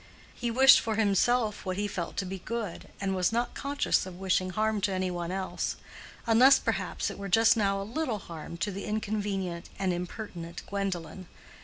He wished for himself what he felt to be good, and was not conscious of wishing harm to any one else; unless perhaps it were just now a little harm to the inconvenient and impertinent Gwendolen.